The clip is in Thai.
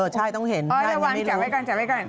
ใช่ต้องเห็นอย่างนี้ไม่รู้เอาอย่างนี้ก่อนจับไว้ก่อน